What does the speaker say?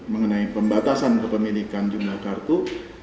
mengenai pembatasan kepemilikan jumlah kartu